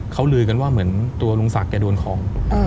เขาลือกันว่าเหมือนตัวลุงศักดิ์แกโดนของ